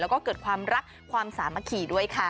แล้วก็เกิดความรักความสามัคคีด้วยค่ะ